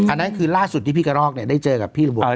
อันนั้นคือล่าสุดที่พี่กระลอกเนี่ยได้เจอกับพี่โรเบิร์ด